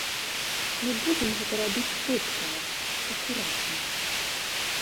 Мы будзем гэта рабіць кропкава, акуратна.